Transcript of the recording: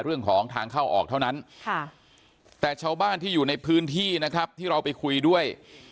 เรื่องของทางเข้าออกเท่านั้นแต่ชาวบ้านที่อยู่ในพื้นที่นะครับที่เราไปคุยด้วย